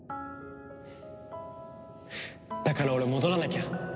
だから俺戻らなきゃ。